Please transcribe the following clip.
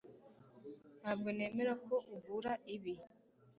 Ntabwo nemera ko ugura ibi